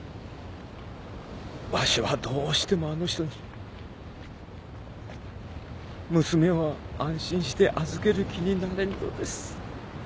わしはどうしてもあの人に娘を安心して預ける気になれんのです。